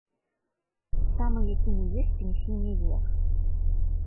Самы які ні ёсць пенсійны век.